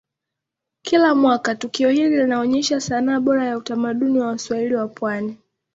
Kila mwaka tukio hili linaonyesha sanaa bora ya utamaduni wa Waswahili wa pwani